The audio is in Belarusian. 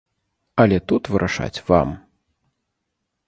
Але тут вырашаць вам!